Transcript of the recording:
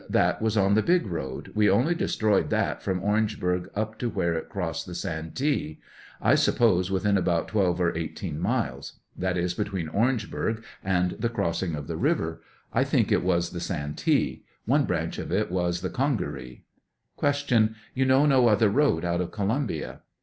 That was on the big road; we only destroyed that from Orangeburg up to where it crossed the San tee ; I suppose within about 12 or 18 miles ; that is, between Orangeburg and the crossing of the river ; I think it was the Santee; one branch of it was the Con garee. Q. You know no other road out of Columbia